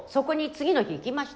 次の日？